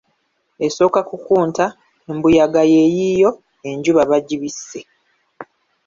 "Esooka kukunta, embuyaga yeeyiyo, enjuba bagibisse."